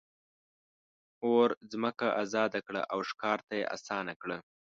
اور ځمکه آزاده کړه او ښکار ته یې آسانه کړه.